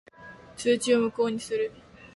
通知を無効にする。